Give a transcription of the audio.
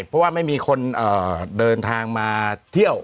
เพราะว่าไม่มีคนเดินทางมาเที่ยว